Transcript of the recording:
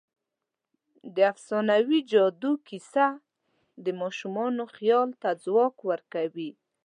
د افسانوي جادو کیسه د ماشومانو خیال ته ځواک ورکوي.